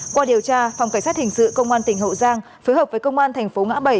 qua điều tra phòng cảnh sát hình sự công an tỉnh hậu giang phối hợp với công an thành phố ngã bảy